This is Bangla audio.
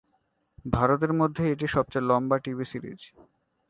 ভারতের মধ্যে এটি সবচেয়ে লম্বা টিভি সিরিজ।